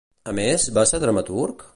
A més, va ser dramaturg?